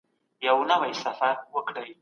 هغوی باید د خپل هویت ساتلو ته هڅول شي.